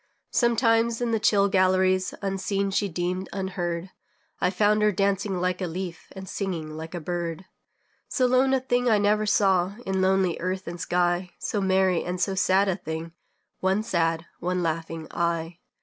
Sometimes, in the chill galleries, Unseen, she deemed, unheard, I found her dancing like a leaf, And singing like a bird. So lone a thing I never saw In lonely earth and sky; So merry and so sad a thing One sad, one laughing, eye.